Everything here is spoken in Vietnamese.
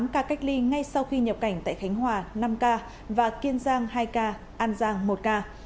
một mươi ca cách ly ngay sau khi nhập cảnh tại khánh hòa năm ca và kiên giang hai ca an giang một ca